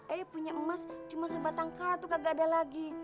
ayo punya emas cuma sebatang kartu kagak ada lagi